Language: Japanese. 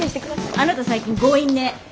あなた最近強引ね！